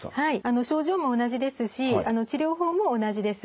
症状も同じですし治療法も同じです。